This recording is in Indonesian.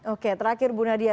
oke terakhir bu nadia